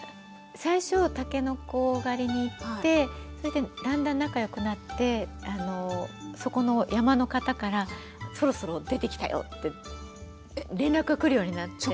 最初たけのこ狩りに行ってだんだん仲良くなってそこの山の方から「そろそろ出てきたよ」って連絡が来るようになって。